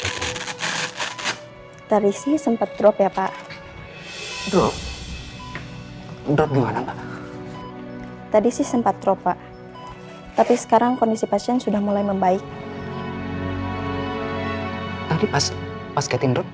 tadi pas pas ketinggalan